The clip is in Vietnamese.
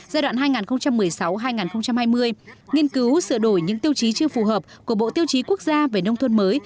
giai đoạn hai nghìn một mươi sáu hai nghìn hai mươi nghiên cứu sửa đổi những tiêu chí chưa phù hợp của bộ tiêu chí quốc gia về nông thôn mới